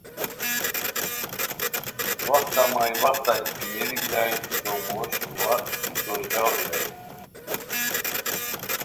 وختہ مائی وختہ ای کیمیری بیرائے ای تو موش وا ای تو ژاؤ بیرائے